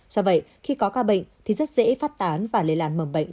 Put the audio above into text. do vậy khi có ca bệnh thì rất dễ phát tán và lây lan mầm bệnh